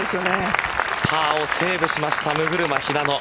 パーをセーブしました六車日那乃。